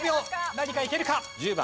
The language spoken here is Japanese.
何かいけるか？